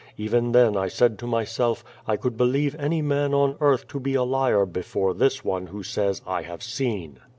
Even then I said to myself, I could believe any man on earth to be a liar before this one who says *I have seen.'